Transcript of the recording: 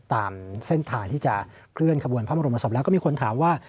ตามเส้นทางที่จะเคลื่อนขบวนพระบรมศพแล้วก็มีคนถามว่า